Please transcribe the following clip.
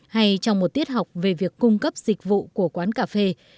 hay trong một tiết học về việc cung cấp dịch vụ của quán cà phê